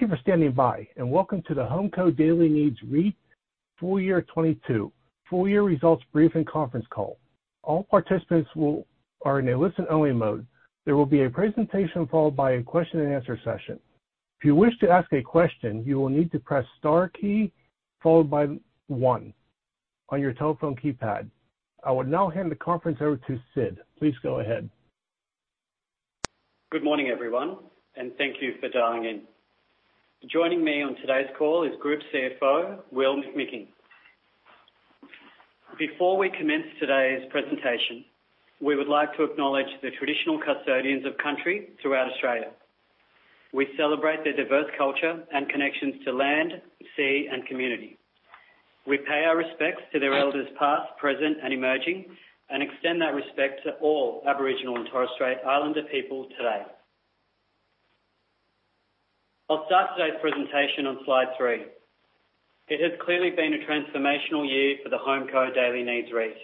Thank you for standing by, and welcome to the HomeCo Daily Needs REIT full year 2022, full year results briefing conference call. All participants are in a listen-only mode. There will be a presentation followed by a question-and-answer session. If you wish to ask a question, you will need to press star key followed by one on your telephone keypad. I will now hand the conference over to Sid. Please go ahead. Good morning, everyone, and thank you for dialing in. Joining me on today's call is Group CFO, Will McMicking. Before we commence today's presentation, we would like to acknowledge the traditional custodians of country throughout Australia. We celebrate their diverse culture and connections to land, sea, and community. We pay our respects to their elders past, present, and emerging, and extend that respect to all Aboriginal and Torres Strait Islander people today. I'll start today's presentation on slide 3. It has clearly been a transformational year for the HomeCo Daily Needs REIT.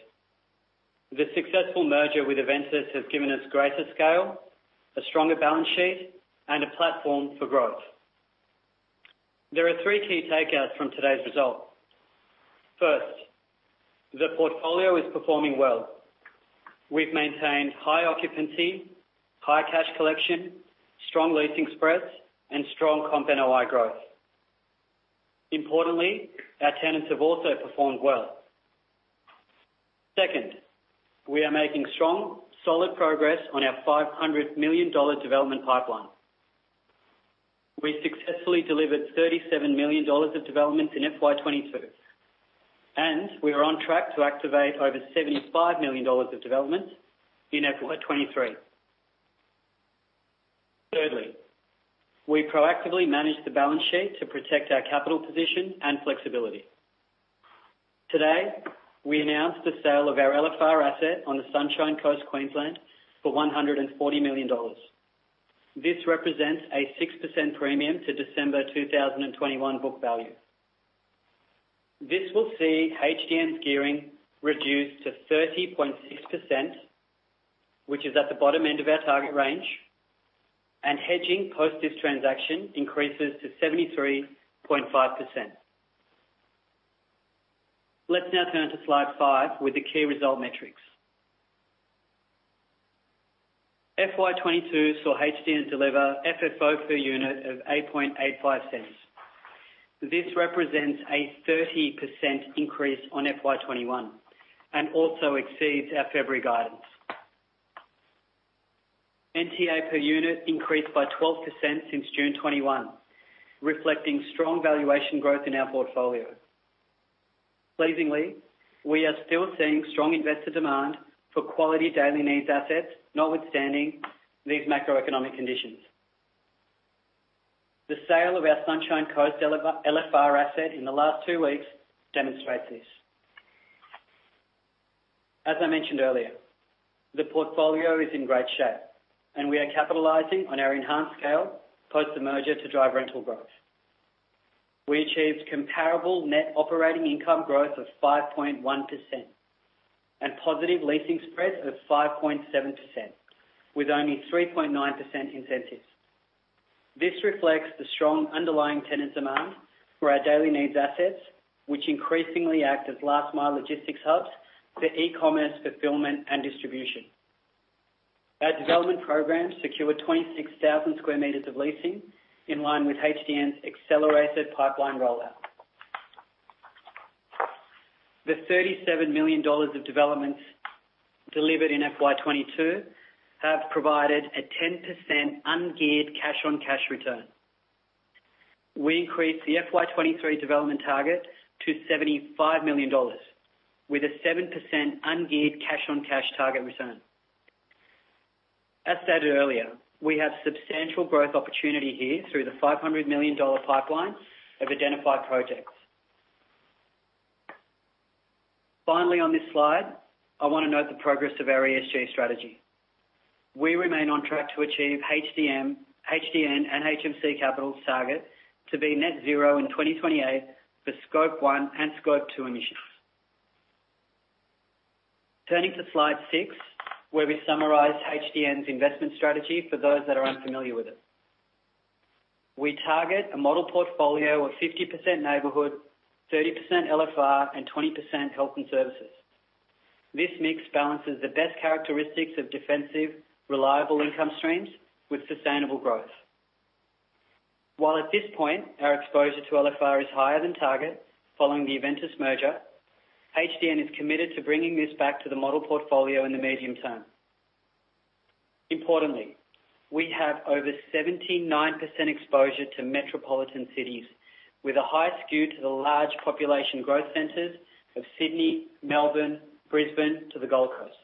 The successful merger with Aventus has given us greater scale, a stronger balance sheet, and a platform for growth. There are three key takeouts from today's result. First, the portfolio is performing well. We've maintained high occupancy, high cash collection, strong leasing spreads, and strong comp NOI growth. Importantly, our tenants have also performed well. Second, we are making strong, solid progress on our 500 million dollar development pipeline. We successfully delivered 37 million dollars of development in FY 2022, and we are on track to activate over 75 million dollars of development in FY 2023. Thirdly, we proactively manage the balance sheet to protect our capital position and flexibility. Today, we announced the sale of our LFR asset on the Sunshine Coast, Queensland, for 140 million dollars. This represents a 6% premium to December 2021 book value. This will see HDN's gearing reduced to 30.6%, which is at the bottom end of our target range, and hedging post this transaction increases to 73.5%. Let's now turn to slide 5 with the key result metrics. FY 2022 saw HDN deliver FFO per unit of 0.0885. This represents a 30% increase on FY 2021 and also exceeds our February guidance. NTA per unit increased by 12% since June 2021, reflecting strong valuation growth in our portfolio. Pleasingly, we are still seeing strong investor demand for quality daily needs assets notwithstanding these macroeconomic conditions. The sale of our Sunshine Coast LFR asset in the last two weeks demonstrates this. As I mentioned earlier, the portfolio is in great shape, and we are capitalizing on our enhanced scale post the merger to drive rental growth. We achieved comparable net operating income growth of 5.1% and positive leasing spreads of 5.7% with only 3.9% incentives. This reflects the strong underlying tenant demand for our daily needs assets, which increasingly act as last-mile logistics hubs for e-commerce fulfillment and distribution. Our development program secured 26,000 sq meters of leasing in line with HDN's accelerated pipeline rollout. The 37 million dollars of developments delivered in FY 2022 have provided a 10% ungeared cash-on-cash return. We increased the FY 2023 development target to 75 million dollars with a 7% ungeared cash-on-cash target return. As stated earlier, we have substantial growth opportunity here through the 500 million dollar pipeline of identified projects. Finally, on this slide, I want to note the progress of our ESG strategy. We remain on track to achieve HDN and HMC Capital's target to be net zero in 2028 for Scope 1 and Scope 2 emissions. Turning to slide 6, where we summarize HDN's investment strategy for those that are unfamiliar with it. We target a model portfolio of 50% neighborhood, 30% LFR, and 20% health and services. This mix balances the best characteristics of defensive, reliable income streams with sustainable growth. While at this point our exposure to LFR is higher than target following the Aventus merger, HDN is committed to bringing this back to the model portfolio in the medium term. Importantly, we have over 79% exposure to metropolitan cities with a high SKUs to the large population growth centers of Sydney, Melbourne, Brisbane, to the Gold Coast.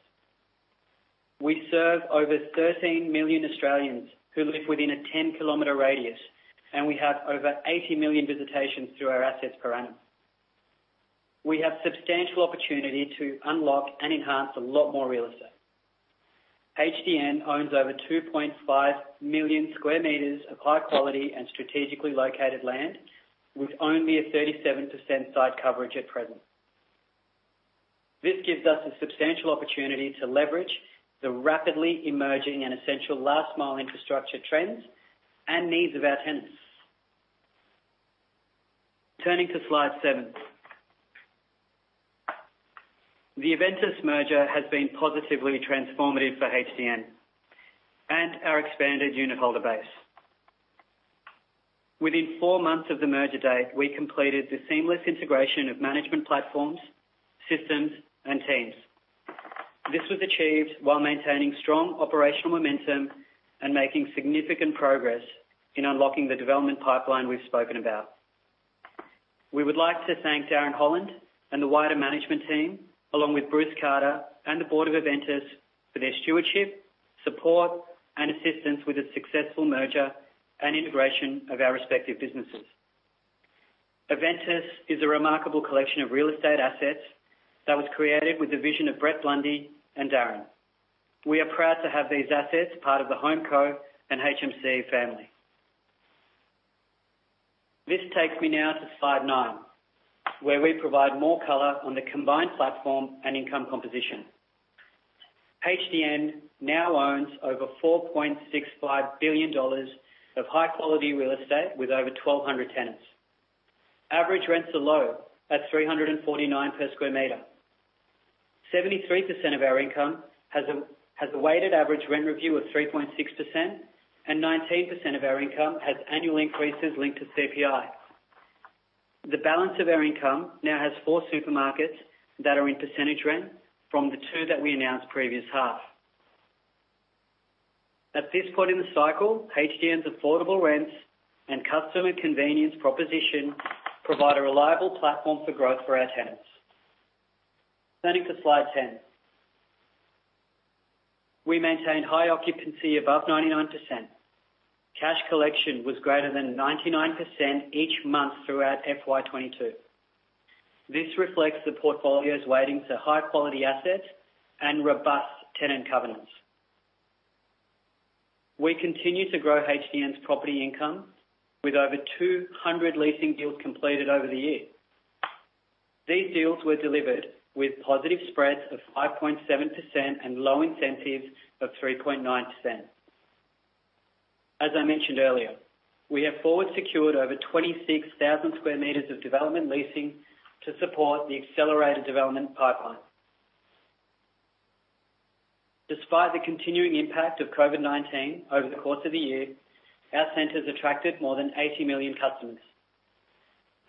We serve over 13 million Australians who live within a 10 km radius, and we have over 80 million visitations through our assets per annum. We have substantial opportunity to unlock and enhance a lot more real estate. HDN owns over 2.5 million sq meters of high-quality and strategically located land with only a 37% site coverage at present. This gives us a substantial opportunity to leverage the rapidly emerging and essential last-mile infrastructure trends and needs of our tenants. Turning to slide 7. The Aventus merger has been positively transformative for HDN and our expanded unit holder base. Within four months of the merger date, we completed the seamless integration of management platforms, systems, and teams. This was achieved while maintaining strong operational momentum and making significant progress in unlocking the development pipeline we've spoken about. We would like to thank Darren Holland and the wider management team, along with Bruce Carter and the board of Aventus, for their stewardship, support, and assistance with the successful merger and integration of our respective businesses. Aventus is a remarkable collection of real estate assets that was created with the vision of Brett Blundy and Darren. We are proud to have these assets part of the HomeCo and HMC family. This takes me now to slide 9, where we provide more color on the combined platform and income composition. HDN now owns over 4.65 billion dollars of high-quality real estate with over 1,200 tenants. Average rents are low at 349 per square meter. 73% of our income has a weighted average rent review of 3.6%, and 19% of our income has annual increases linked to CPI. The balance of our income now has four supermarkets that are in percentage rent from the two that we announced previous half. At this point in the cycle, HDN's affordable rents and customer convenience proposition provide a reliable platform for growth for our tenants. Turning to slide 10. We maintained high occupancy above 99%. Cash collection was greater than 99% each month throughout FY 2022. This reflects the portfolio's weighting to high-quality assets and robust tenant governance. We continue to grow HDN's property income with over 200 leasing deals completed over the year. These deals were delivered with positive spreads of 5.7% and low incentives of 3.9%. As I mentioned earlier, we have forward secured over 26,000 sq meters of development leasing to support the accelerated development pipeline. Despite the continuing impact of COVID-19 over the course of the year, our centres attracted more than 80 million customers.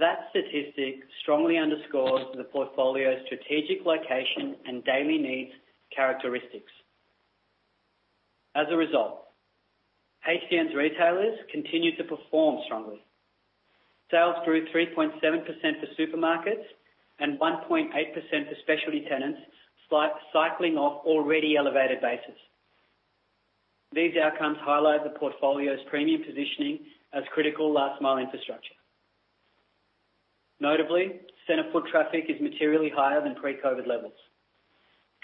That statistic strongly underscores the portfolio's strategic location and daily needs characteristics. As a result, HDN's retailers continue to perform strongly. Sales grew 3.7% for supermarkets and 1.8% for specialty tenants cycling off already elevated bases. These outcomes highlight the portfolio's premium positioning as critical last-mile infrastructure. Notably, centre foot traffic is materially higher than pre-COVID levels.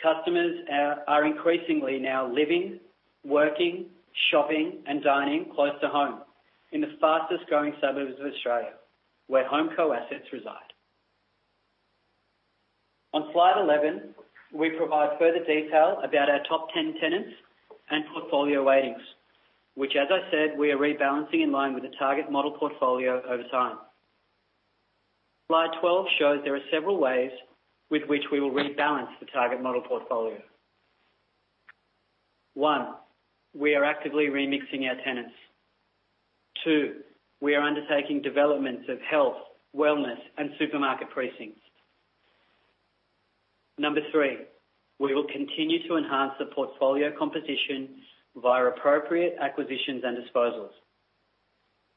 Customers are increasingly now living, working, shopping, and dining close to home in the fastest-growing suburbs of Australia where HomeCo assets reside. On slide 11, we provide further detail about our top 10 tenants and portfolio weightings, which, as I said, we are rebalancing in line with the target model portfolio over time. Slide 12 shows there are several ways with which we will rebalance the target model portfolio. One, we are actively remixing our tenants. Two, we are undertaking developments of health, wellness, and supermarket precincts. Number three, we will continue to enhance the portfolio composition via appropriate acquisitions and disposals.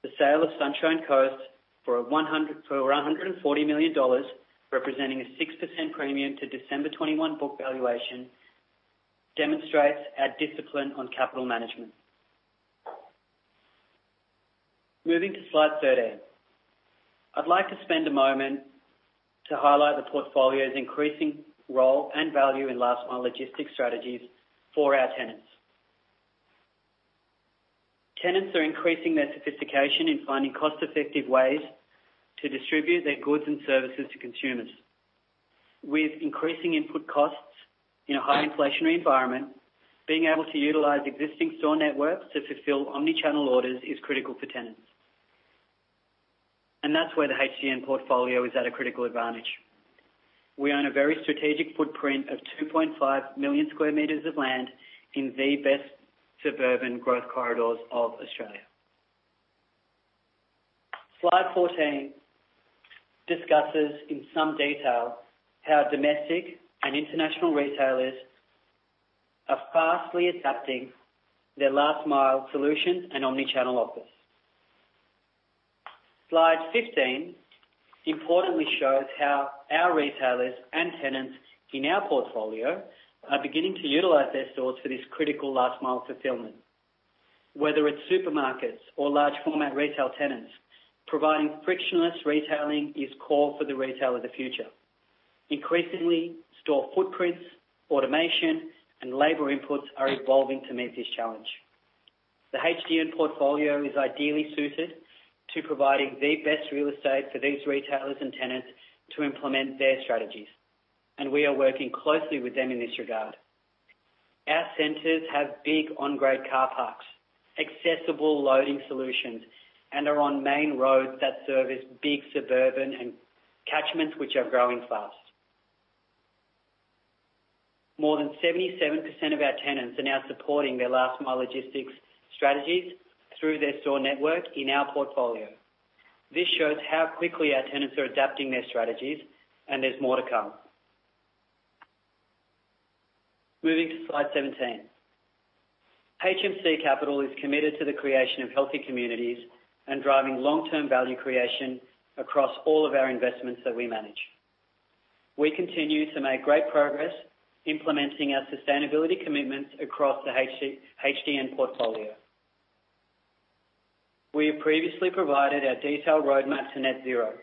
The sale of Sunshine Coast for 140 million dollars, representing a 6% premium to December 2021 book valuation, demonstrates our discipline on capital management. Moving to slide 13, I'd like to spend a moment to highlight the portfolio's increasing role and value in last-mile logistics strategies for our tenants. Tenants are increasing their sophistication in finding cost-effective ways to distribute their goods and services to consumers. With increasing input costs in a high-inflationary environment, being able to utilize existing store networks to fulfill omnichannel orders is critical for tenants. That's where the HDN portfolio is at a critical advantage. We own a very strategic footprint of 2.5 million sq meters of land in the best suburban growth corridors of Australia. Slide 14 discusses in some detail how domestic and international retailers are rapidly adapting their last-mile solutions and omnichannel offers. Slide 15 importantly shows how our retailers and tenants in our portfolio are beginning to utilize their stores for this critical last-mile fulfillment. Whether it's supermarkets or large-format retail tenants, providing frictionless retailing is core for the retail of the future. Increasingly, store footprints, automation, and labor inputs are evolving to meet this challenge. The HDN portfolio is ideally suited to providing the best real estate for these retailers and tenants to implement their strategies, and we are working closely with them in this regard. Our centers have big on-grade car parks, accessible loading solutions, and are on main roads that service big suburban catchments which are growing fast. More than 77% of our tenants are now supporting their last-mile logistics strategies through their store network in our portfolio. This shows how quickly our tenants are adapting their strategies, and there's more to come. Moving to slide 17. HMC Capital is committed to the creation of healthy communities and driving long-term value creation across all of our investments that we manage. We continue to make great progress implementing our sustainability commitments across the HDN portfolio. We have previously provided our detailed roadmap to net zero.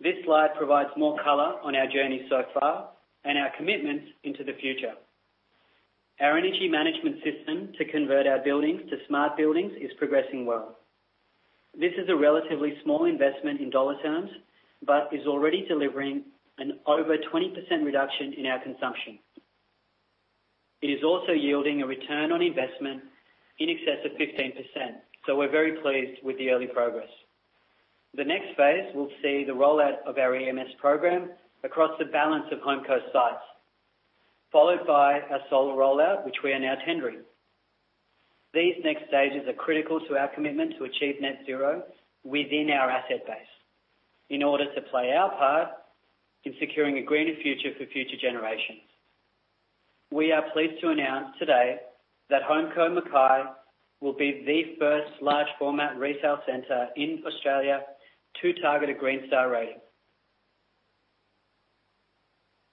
This slide provides more color on our journey so far and our commitments into the future. Our energy management system to convert our buildings to smart buildings is progressing well. This is a relatively small investment in dollar terms but is already delivering an over 20% reduction in our consumption. It is also yielding a return on investment in excess of 15%, so we're very pleased with the early progress. The next phase will see the rollout of our EMS program across the balance of HomeCo sites, followed by our solar rollout which we are now tendering. These next stages are critical to our commitment to achieve net zero within our asset base in order to play our part in securing a greener future for future generations. We are pleased to announce today that HomeCo Mackay will be the first large-format retail centre in Australia to target a Green Star rating.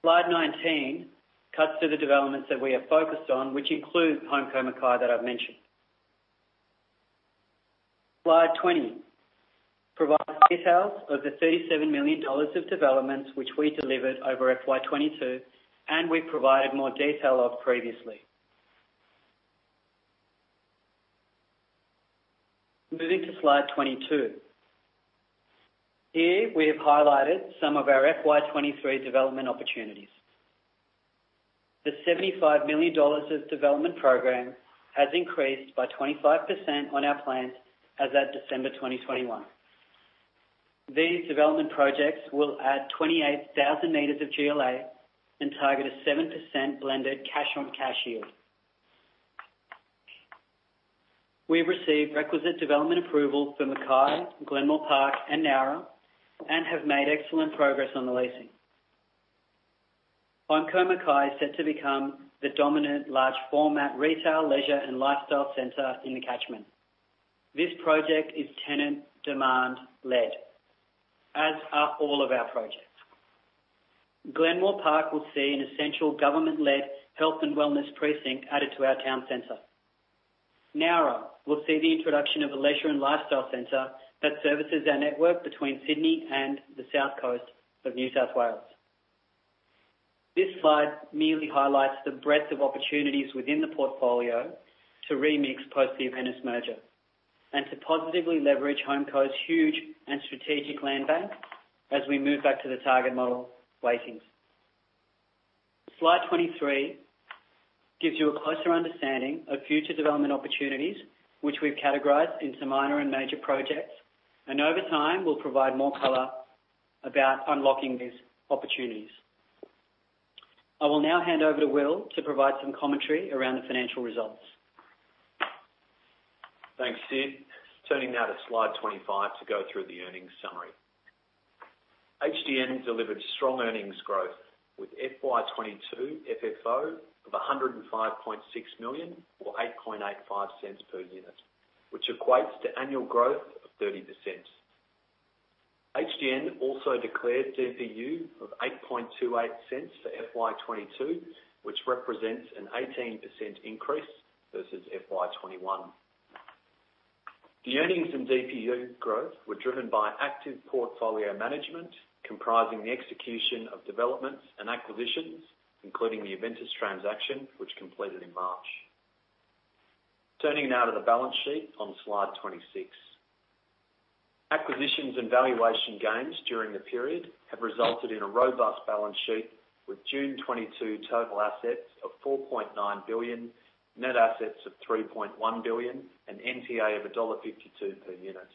Slide 19 cuts through the developments that we are focused on, which include HomeCo Mackay that I've mentioned. Slide 20 provides details of the 37 million dollars of developments which we delivered over FY 2022, and we've provided more details previously. Moving to slide 22. Here, we have highlighted some of our FY 2023 development opportunities. The 75 million dollars of development program has increased by 25% on our plans as of December 2021. These development projects will add 28,000 meters of GLA and target a 7% blended cash-on-cash yield. We've received requisite development approval for Mackay, Glenmore Park, and Nowra, and have made excellent progress on the leasing. HomeCo Mackay is set to become the dominant large-format retail, leisure, and lifestyle centre in the catchment. This project is tenant-demand-led, as are all of our projects. Glenmore Park will see an essential government-led health and wellness precinct added to our town center. Nowra will see the introduction of a leisure and lifestyle center that services our network between Sydney and the South Coast of New South Wales. This slide merely highlights the breadth of opportunities within the portfolio to remix post the Aventus merger and to positively leverage HomeCo's huge and strategic land bank as we move back to the target model weightings. Slide 23 gives you a closer understanding of future development opportunities which we've categorized into minor and major projects, and over time will provide more color about unlocking these opportunities. I will now hand over to Will to provide some commentary around the financial results. Thanks, Sid. Turning now to slide 25 to go through the earnings summary. HDN delivered strong earnings growth with FY 2022 FFO of 105.6 million or 0.0885 per unit, which equates to annual growth of 30%. HDN also declared DPU of 0.0828 for FY 2022, which represents an 18% increase versus FY 2021. The earnings and DPU growth were driven by active portfolio management comprising the execution of developments and acquisitions, including the Aventus transaction which completed in March. Turning now to the balance sheet on slide 26. Acquisitions and valuation gains during the period have resulted in a robust balance sheet with June 2022 total assets of 4.9 billion, net assets of 3.1 billion, and NTA of dollar 1.52 per unit.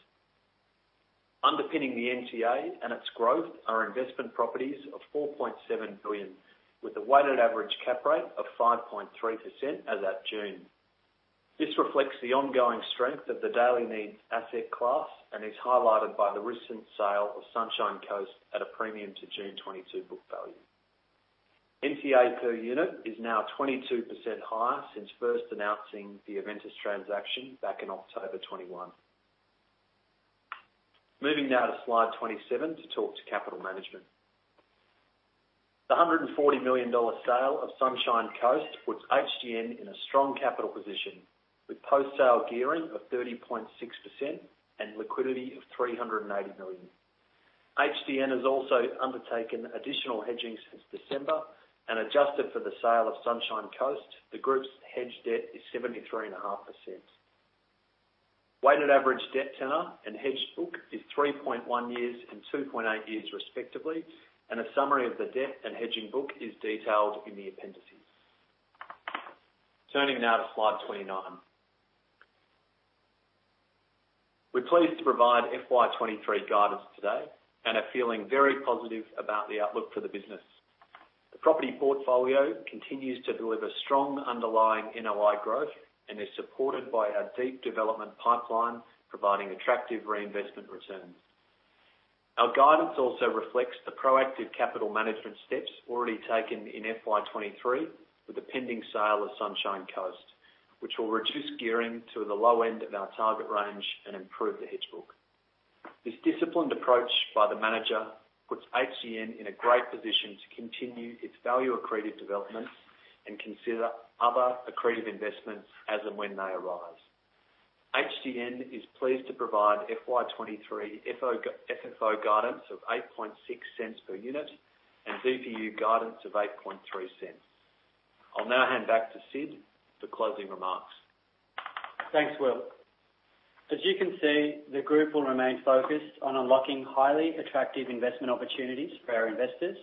Underpinning the NTA and its growth are investment properties of 4.7 billion with a weighted average cap rate of 5.3% as of June. This reflects the ongoing strength of the daily needs asset class and is highlighted by the recent sale of Sunshine Coast at a premium to June 2022 book value. NTA per unit is now 22% higher since first announcing the Aventus transaction back in October 2021. Moving now to slide 27 to talk to capital management. The 140 million dollar sale of Sunshine Coast puts HDN in a strong capital position with post-sale gearing of 30.6% and liquidity of AUD 380 million. HDN has also undertaken additional hedging since December and adjusted for the sale of Sunshine Coast. The group's hedged debt is 73.5%. Weighted average debt tenor and hedged book is 3.1 years and 2.8 years respectively, and a summary of the debt and hedging book is detailed in the appendices. Turning now to slide 29. We're pleased to provide FY 2023 guidance today and are feeling very positive about the outlook for the business. The property portfolio continues to deliver strong underlying NOI growth and is supported by our deep development pipeline providing attractive reinvestment returns. Our guidance also reflects the proactive capital management steps already taken in FY 2023 with the pending sale of Sunshine Coast, which will reduce gearing to the low end of our target range and improve the hedge book. This disciplined approach by the manager puts HDN in a great position to continue its value-accretive developments and consider other accretive investments as and when they arise. HDN is pleased to provide FY 2023 FFO guidance of 0.086 per unit and DPU guidance of 0.083. I'll now hand back to Sid for closing remarks. Thanks, Will. As you can see, the group will remain focused on unlocking highly attractive investment opportunities for our investors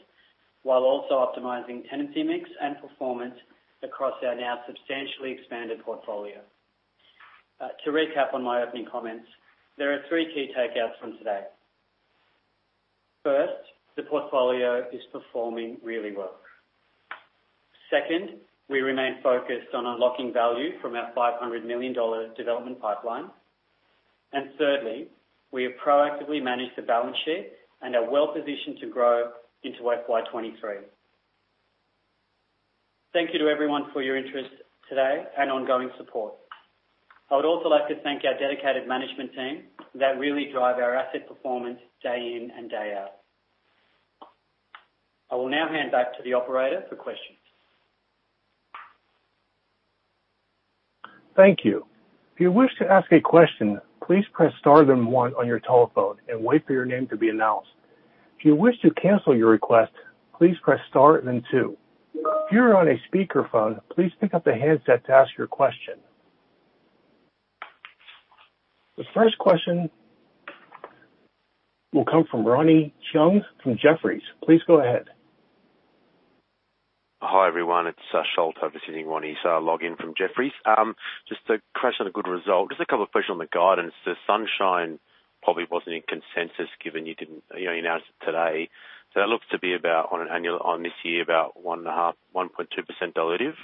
while also optimizing tenancy mix and performance across our now substantially expanded portfolio. To recap on my opening comments, there are three key takeaways from today. First, the portfolio is performing really well. Second, we remain focused on unlocking value from our 500 million dollar development pipeline. Thirdly, we have proactively managed the balance sheet and are well positioned to grow into FY 2023. Thank you to everyone for your interest today and ongoing support. I would also like to thank our dedicated management team that really drive our asset performance day in and day out. I will now hand back to the operator for questions. Thank you. If you wish to ask a question, please press star then one on your telephone and wait for your name to be announced. If you wish to cancel your request, please press star then two. If you're on a speakerphone, please pick up the handset to ask your question. The first question will come from Ronny Cheung from Jefferies. Please go ahead. Hi, everyone. It's Sholto Maconochie overseeing Ronnie's login from Jefferies. Just a question on a good result. Just a couple of questions on the guidance. The Sunshine probably wasn't in consensus given you announced it today. That looks to be about on this year about 1.2% dilutive.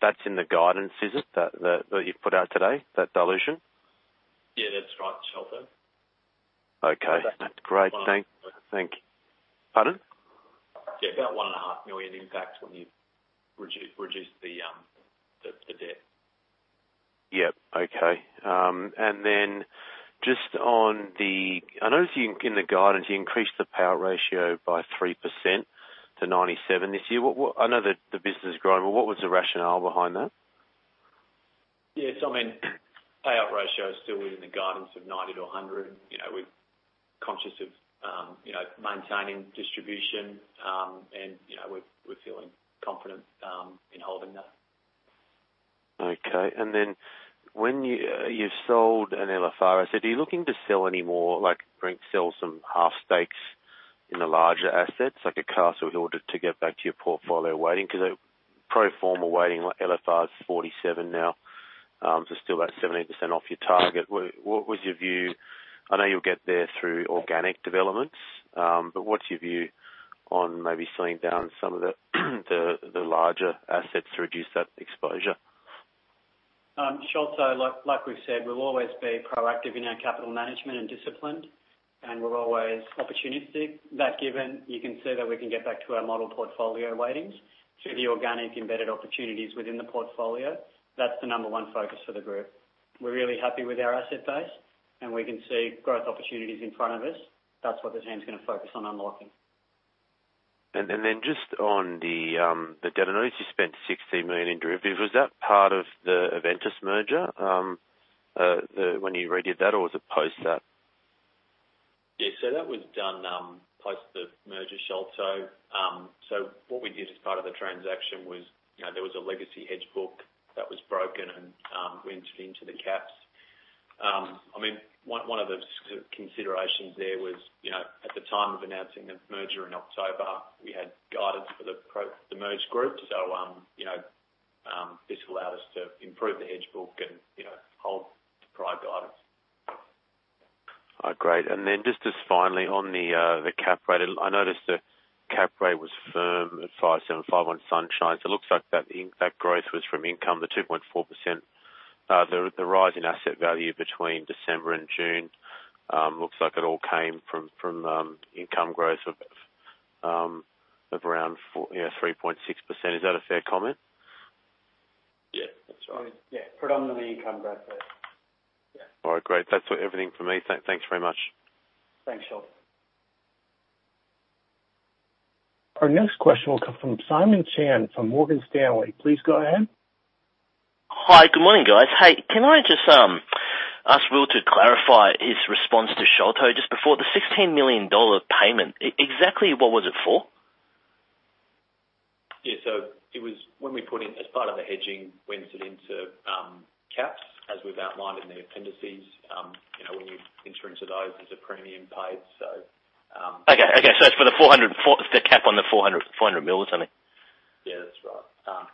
That's in the guidance, is it, that you've put out today, that dilution? Yeah, that's right, Sholto. Okay. Great. Thanks. Pardon? Yeah, about 1.5 million in fact when you've reduced the debt. Yep. Okay. Then just on, I noticed in the guidance you increased the payout ratio by 3% to 97% this year. I know the business is growing, but what was the rationale behind that? Yeah. I mean, payout ratio is still within the guidance of 90%-100%. We're conscious of maintaining distribution, and we're feeling confident in holding that. Okay. Then when you've sold an LFR, are you looking to sell any more, sell some half-stakes in the larger assets like a Castle Hill to get back to your portfolio weighting? Because pro forma weighting LFR's 47% now, so still about 17% off your target. What was your view? I know you'll get there through organic developments, but what's your view on maybe selling down some of the larger assets to reduce that exposure? Sholto, like we've said, we'll always be proactive in our capital management and disciplined, and we're always opportunistic. That given, you can see that we can get back to our model portfolio weightings through the organic embedded opportunities within the portfolio. That's the number one focus for the group. We're really happy with our asset base, and we can see growth opportunities in front of us. That's what the team's going to focus on unlocking. Then just on the debt, I noticed you spent 16 million in derivatives. Was that part of the Aventus merger when you redid that, or was it post that? Yeah. That was done post the merger, Sholto. What we did as part of the transaction was there was a legacy hedge book that was broken, and we entered into the caps. I mean, one of the considerations there was at the time of announcing the merger in October, we had guidance for the merged group, so this allowed us to improve the hedge book and hold the prior guidance. Great. Just as finally on the cap rate, I noticed the cap rate was firm at 575 on Sunshine. It looks like that growth was from income, the 2.4%. The rise in asset value between December and June looks like it all came from income growth of around 3.6%. Is that a fair comment? Yeah, that's right. Yeah, predominantly income growth there. All right. Great. That's everything for me. Thanks very much. Thanks, Sholto. Our next question will come from Simon Chan from Morgan Stanley. Please go ahead. Hi. Good morning, guys. Hey, can I just ask Will to clarify his response to Sholto just before- The 16 million dollar payment, exactly what was it for? Yeah. It was when we put in as part of the hedging, we entered into caps as we've outlined in the appendices. When you enter into those, there's a premium paid. Okay. Okay. It's for the cap on the 400 million, isn't it? Yeah, that's right. Okay.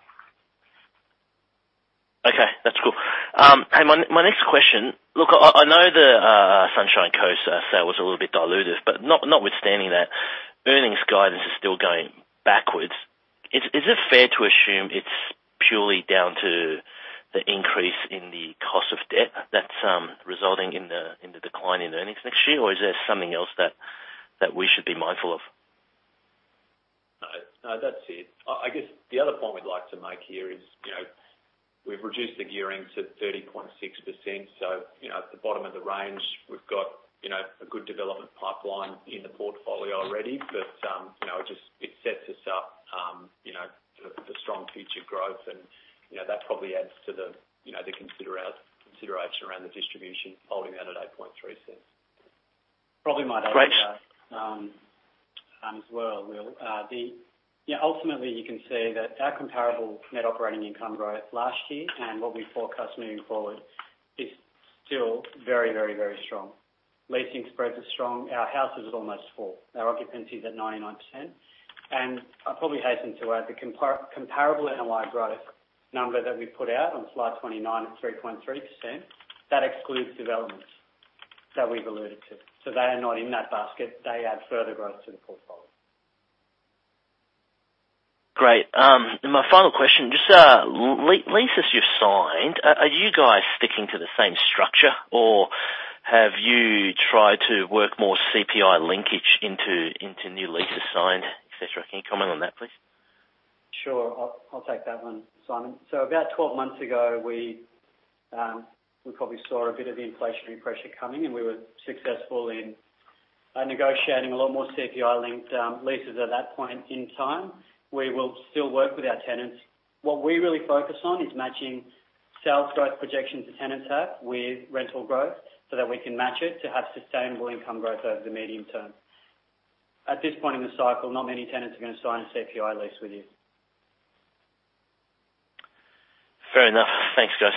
That's cool. Hey, my next question look, I know the Sunshine Coast sale was a little bit dilutive, but notwithstanding that, earnings guidance is still going backwards. Is it fair to assume it's purely down to the increase in the cost of debt that's resulting in the decline in earnings next year, or is there something else that we should be mindful of? No, that's it. I guess the other point we'd like to make here is we've reduced the gearing to 30.6%, so at the bottom of the range, we've got a good development pipeline in the portfolio already, but it sets us up for strong future growth, and that probably adds to the consideration around the distribution holding that at 0.083. Probably might add to that as well, Will. Ultimately, you can see that our comparable net operating income growth last year and what we forecast moving forward is still very, very, very strong. Leasing spreads are strong. Our houses are almost full. Our occupancy's at 99%. I probably hasten to add, the comparable NOI growth number that we put out on slide 29 at 3.3%, that excludes developments that we've alluded to. So they are not in that basket. They add further growth to the portfolio. Great. My final question, just leases you've signed, are you guys sticking to the same structure, or have you tried to work more CPI linkage into new leases signed, etc.? Can you comment on that, please? Sure. I'll take that one, Simon. So about 12 months ago, we probably saw a bit of the inflationary pressure coming, and we were successful in negotiating a lot more CPI-linked leases at that point in time. We will still work with our tenants. What we really focus on is matching sales growth projections the tenants have with rental growth so that we can match it to have sustainable income growth over the medium term. At this point in the cycle, not many tenants are going to sign a CPI lease with you. Fair enough. Thanks, guys.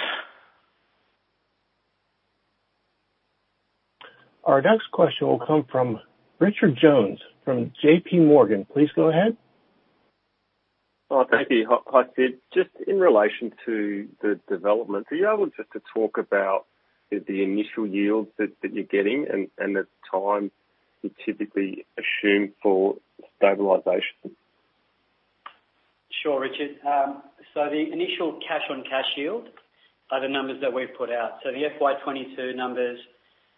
Our next question will come from Richard Jones from J.P. Morgan. Please go ahead. Thank you. Hi, Sid. Just in relation to the development, are you able just to talk about the initial yields that you're getting and the time you typically assume for stabilization? Sure, Richard. The initial cash-on-cash yield are the numbers that we've put out. The FY 2022 numbers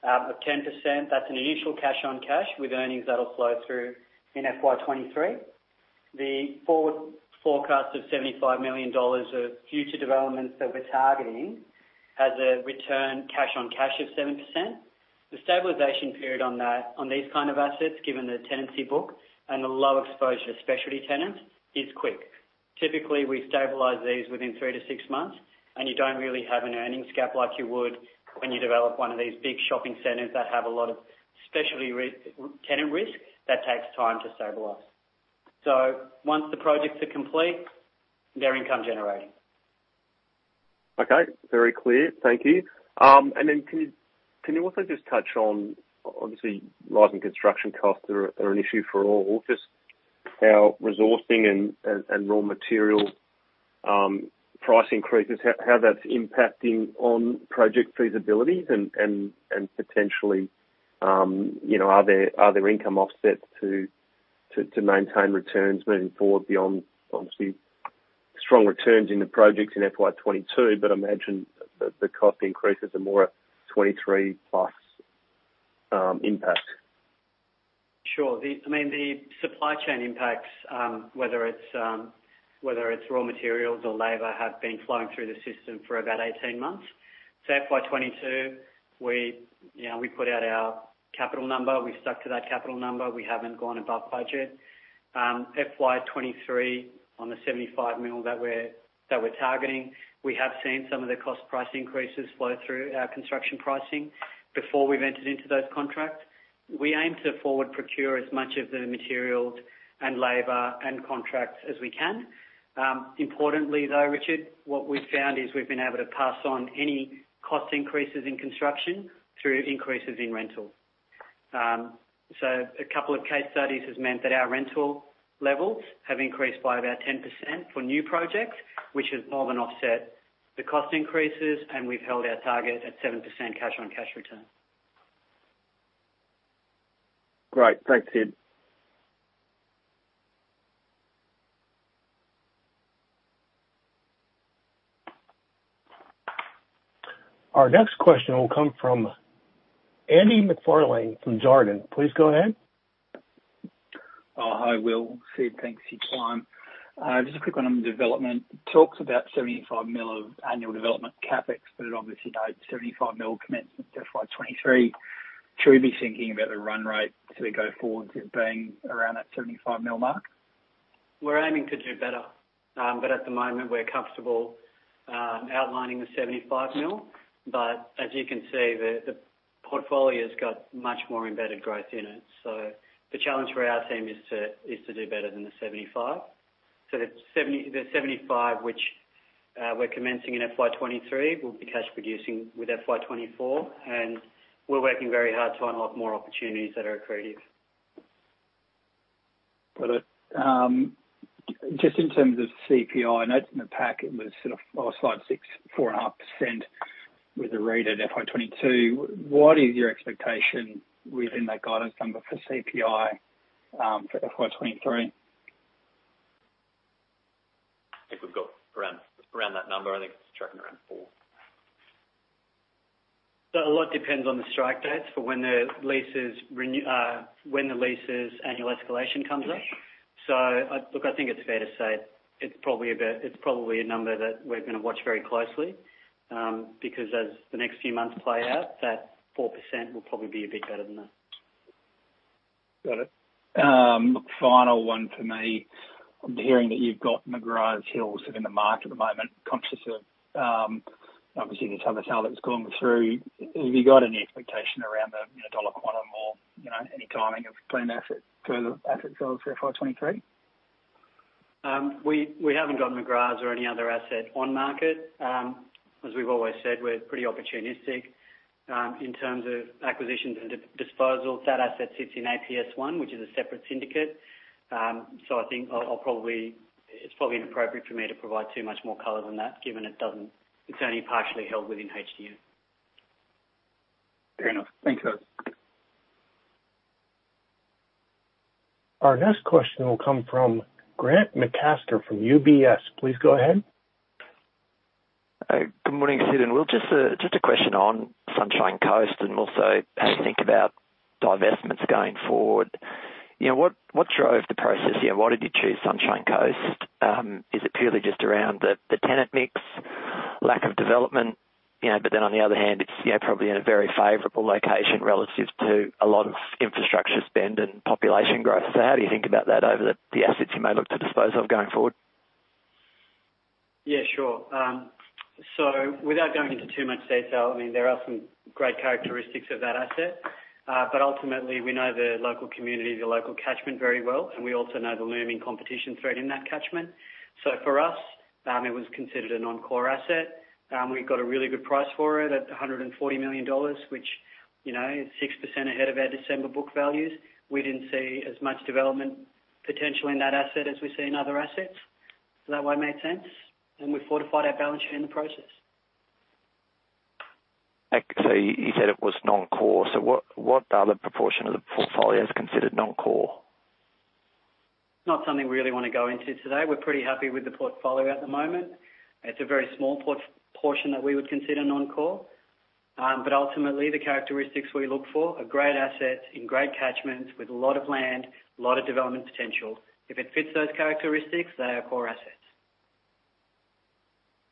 of 10%, that's an initial cash-on-cash with earnings that'll flow through in FY 2023. The forward forecast of 75 million dollars of future developments that we're targeting has a return cash-on-cash of 7%. The stabilization period on these kind of assets, given the tenancy book and the low exposure to specialty tenants, is quick. Typically, we stabilize these within 3-6 months, and you don't really have an earnings gap like you would when you develop one of these big shopping centers that have a lot of specialty tenant risk. That takes time to stabilize. Once the projects are complete, they're income-generating. Okay. Very clear. Thank you. Can you also just touch on obviously, rising construction costs are an issue for all. Just how sourcing and raw material price increases, how that's impacting on project feasibilities, and potentially, are there income offsets to maintain returns moving forward beyond obviously, strong returns in the projects in FY 2022, but I imagine the cost increases are more a 2023-plus impact? Sure. I mean, the supply chain impacts, whether it's raw materials or labour, have been flowing through the system for about 18 months. FY 2022, we put out our capital number. We've stuck to that capital number. We haven't gone above budget. FY 2023, on the 75 million that we're targeting, we have seen some of the cost price increases flow through our construction pricing before we've entered into those contracts. We aim to forward procure as much of the materials and labor and contracts as we can. Importantly, though, Richard, what we've found is we've been able to pass on any cost increases in construction through increases in rental. A couple of case studies has meant that our rental levels have increased by about 10% for new projects, which has more than offset the cost increases, and we've held our target at 7% cash-on-cash return. Great. Thanks, Sid. Our next question will come from Andy MacFarlane from Jarden. Please go ahead. Hi, Will. Sid, thanks. You're fine. Just a quick one on development. Talked about 75 million of annual development CapEx, but obviously, 75 million commenced in FY 2023. Should we be thinking about the run rate as we go forward as being around that 75 million mark? We're aiming to do better, but at the moment, we're comfortable outlining the 75 million. As you can see, the portfolio's got much more embedded growth in it. The challenge for our team is to do better than the 75 million. The 75 million, which we're commencing in FY 2023, will be cash producing with FY 2024, and we're working very hard to unlock more opportunities that are accretive. Got it. Just in terms of CPI, I noted in the pack it was sort of our slide 6, 4.5% with a read at FY 2022. What is your expectation within that guidance number for CPI for FY 2023? I think we've got around that number. I think it's tracking around 4%. A lot depends on the strike dates for when the leases' annual escalation comes up. Look, I think it's fair to say it's probably a number that we're going to watch very closely because as the next few months play out, that 4% will probably be a bit better than that. Got it. Final one for me. I'm hearing that you've got McGraths Hill sort of in the market at the moment, conscious of, obviously, this other sale that was going through. Have you got any expectation around the dollar quantum or any timing of planned asset sales for FY 2023? We haven't got McGraths or any other asset on the market. As we've always said, we're pretty opportunistic in terms of acquisitions and disposals. That asset sits in APS1, which is a separate syndicate. I think it's probably inappropriate for me to provide too much more color than that given it's only partially held within HDN. Fair enough. Thanks, guys. Our next question will come from Grant McCasker from UBS. Please go ahead. Good morning, Sid. Will, just a question on Sunshine Coast and also how you think about divestments going forward. What drove the process? Why did you choose Sunshine Coast? Is it purely just around the tenant mix, lack of development? Then on the other hand, it's probably in a very favorable location relative to a lot of infrastructure spend and population growth. How do you think about that over the assets you may look to dispose of going forward? Yeah, sure. Without going into too much detail, I mean, there are some great characteristics of that asset. Ultimately, we know the local community, the local catchment very well, and we also know the looming competition threat in that catchment. For us, it was considered a non-core asset. We've got a really good price for it at 140 million dollars, which is 6% ahead of our December book values. We didn't see as much development potential in that asset as we see in other assets. Does that make sense? We fortified our balance sheet in the process. You said it was non-core. What other proportion of the portfolio is considered non-core? Not something we really want to go into today. We're pretty happy with the portfolio at the moment. It's a very small portion that we would consider non-core. Ultimately, the characteristics we look for, a great asset in great catchments with a lot of land, a lot of development potential, if it fits those characteristics, they are core assets.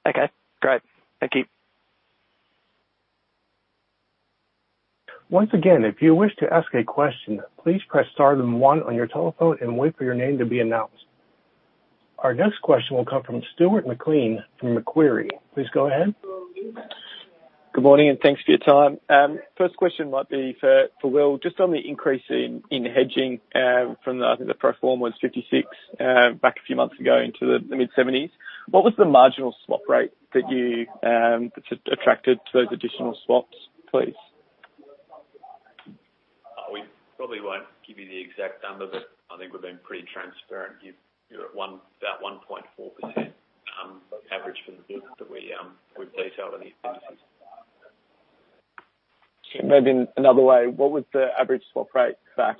Okay. Great. Thank you. Once again, if you wish to ask a question, please press star then one on your telephone and wait for your name to be announced. Our next question will come from Stuart McLean from Macquarie. Please go ahead. Good morning and thanks for your time. First question might be for Will. Just on the increase in hedging from, I think, the pro forma was 56 back a few months ago into the mid-70s, what was the marginal swap rate that attracted those additional swaps, please? We probably won't give you the exact number, but I think we've been pretty transparent. You're at about 1.4% average for the book that we've detailed in the appendices. Maybe another way, what was the average swap rate back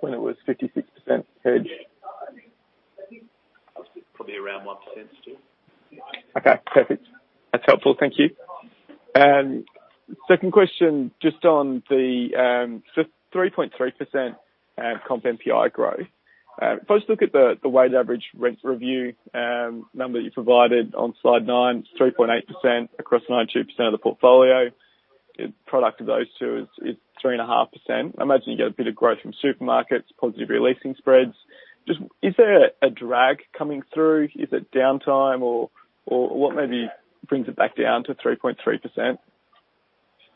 when it was 56% hedged? Probably around 1% still. Okay. Perfect. That's helpful. Thank you. Second question, just on the 3.3% comp NPI growth. If I just look at the weighted average rent review number that you provided on slide 9, it's 3.8% across 92% of the portfolio. The product of those two is 3.5%. I imagine you get a bit of growth from supermarkets, positive re-leasing spreads. Is there a drag coming through? Is it downtime, or what maybe brings it back down to 3.3%?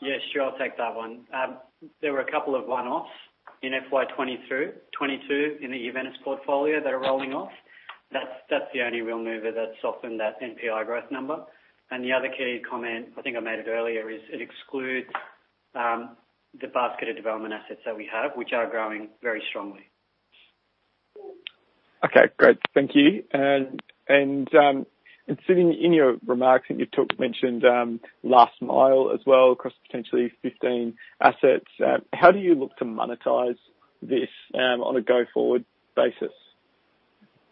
Yeah, sure. I'll take that one. There were a couple of one-offs in FY 2022 in the Aventus portfolio that are rolling off. That's the only real mover that's softened that NPI growth number. The other key comment, I think I made it earlier, is it excludes the basket of development assets that we have, which are growing very strongly. Okay. Great. Thank you. Sitting in your remarks, you mentioned last mile as well across potentially 15 assets. How do you look to monetize this on a go-forward basis?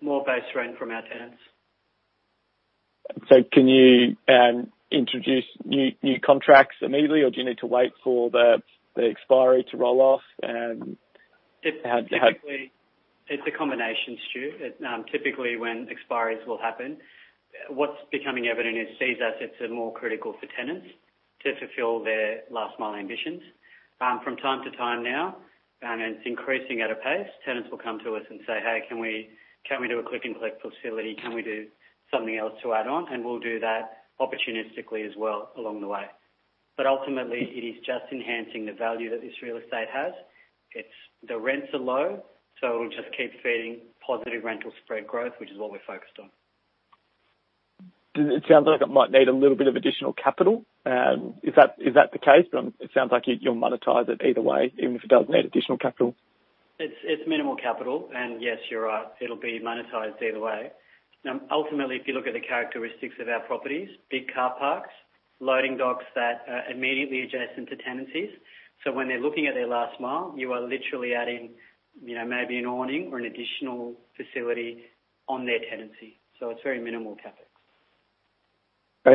More base rent from our tenants. Can you introduce new contracts immediately, or do you need to wait for the expiry to roll off and how? It's a combination, Stuart. Typically, when expiries will happen, what's becoming evident is CSAS, it's more critical for tenants to fulfill their last-mile ambitions. From time to time now, and it's increasing at a pace, tenants will come to us and say, "Hey, can we do a click-and-collect facility? Can we do something else to add on?" We'll do that opportunistically as well along the way. Ultimately, it is just enhancing the value that this real estate has. The rents are low, so it'll just keep feeding positive rental spread growth, which is what we're focused on. It sounds like it might need a little bit of additional capital. Is that the case? It sounds like you'll monetize it either way, even if it does need additional capital. It's minimal capital, and yes, you're right. It'll be monetized either way. Ultimately, if you look at the characteristics of our properties, big car parks, loading docks that are immediately adjacent to tenancies, so when they're looking at their last mile, you are literally adding maybe an awning or an additional facility on their tenancy. So it's very minimal CapEx.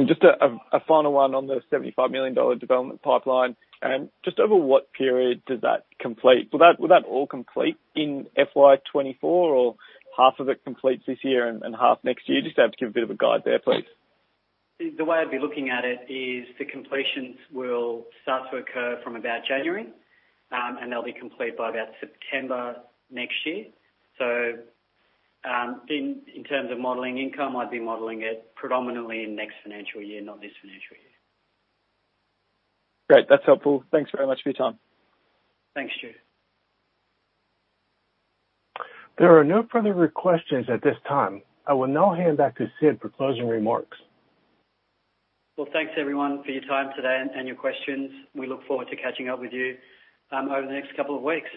Just a final one on the 75 million dollar development pipeline. Just over what period does that complete? Will that all complete in FY 2024, or half of it completes this year and half next year? Just have to give a bit of a guide there, please. The way I'd be looking at it is the completions will start to occur from about January, and they'll be complete by about September next year. In terms of modeling income, I'd be modeling it predominantly in next financial year, not this financial year. Great. That's helpful. Thanks very much for your time. Thanks, Stuart. There are no further requests at this time. I will now hand back to Sid for closing remarks. Well, thanks, everyone, for your time today and your questions. We look forward to catching up with you over the next couple of weeks.